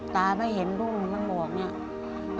ถ้าไม่เห็นลูกมันต้องห่วง